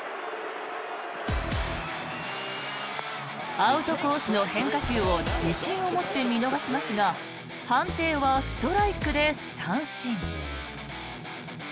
アウトコースの変化球を自信を持って見逃しますが判定はストライクで三振。